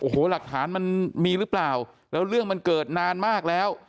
โอ้โหหลักฐานมันมีหรือเปล่าแล้วเรื่องมันเกิดนานมากแล้ว